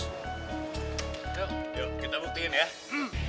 yuk kita buktiin ya